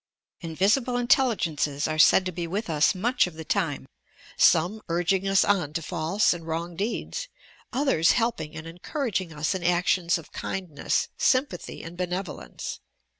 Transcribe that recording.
Invisible intelligences are said to be with us much of the time, — some urging us on to false and wrong deeds, others helping and encouraging us in actions of kindness, sympathy and benevolence.